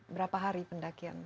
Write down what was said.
berapa hari pendakian